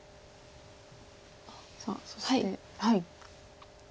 さあそして。